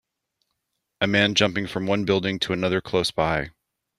a man jumping from one building to another closeby